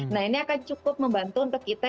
nah ini akan cukup membantu untuk kita